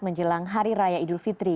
menjelang hari raya idul fitri